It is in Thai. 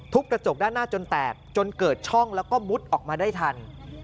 กระจกด้านหน้าจนแตกจนเกิดช่องแล้วก็มุดออกมาได้ทัน